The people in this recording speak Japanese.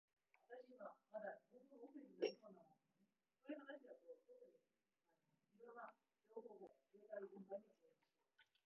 男が一度・・・！！！必ず帰ると言ったのだから！！！